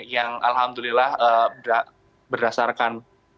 yang alhamdulillah berdasarkan